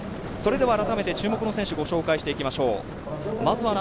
改めて注目の選手、ご紹介していきましょう。